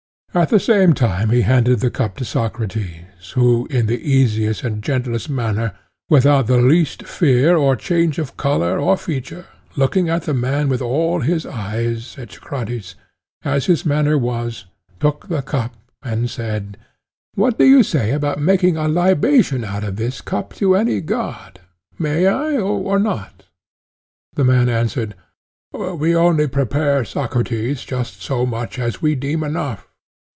At the same time he handed the cup to Socrates, who in the easiest and gentlest manner, without the least fear or change of colour or feature, looking at the man with all his eyes, Echecrates, as his manner was, took the cup and said: What do you say about making a libation out of this cup to any god? May I, or not? The man answered: We only prepare, Socrates, just so much as we deem enough.